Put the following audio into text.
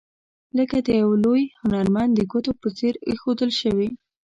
لکه د یو لوی هنرمند د ګوتو په څیر ایښودل شوي.